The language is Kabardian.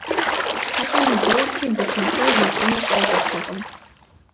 ХьэщӀэм и дежкӀи бысымхъуэж ищӀыныр къекӀуртэкъым.